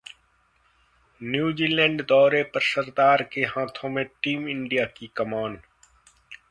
New Zealand दौरे पर सरदार के हाथों में टीम इंडिया की कमान